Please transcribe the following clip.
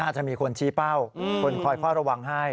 น่าจะมีคนชี้เป้าคนคอยค่อยระวังให้